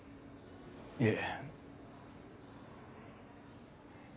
いえ。